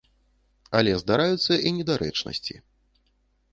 Але здараюцца і недарэчнасці.